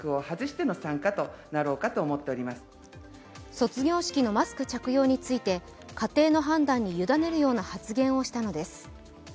卒業式のマスク着用について家庭の判断に委ねるような発言をしたのです。